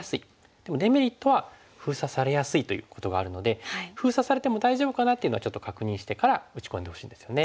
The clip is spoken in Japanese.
でもデメリットは封鎖されやすいということがあるので封鎖されても大丈夫かなっていうのはちょっと確認してから打ち込んでほしいんですよね。